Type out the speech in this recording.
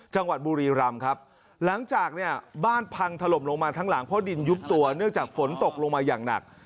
จังหวัดบุรีรำครับหลังจากเนี่ยบ้านพังถล่มลงมาทั้งหลังเพราะดินยุบตัวเนื่องจากฝนตกลงมาอย่างหนัก